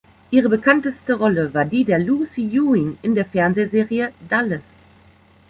Ihre bekannteste Rolle war die der Lucy Ewing in der Fernsehserie Dallas.